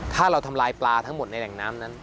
ถ้าเราทำลายปลาทั้งหมดในแหล่งน้ำนั้น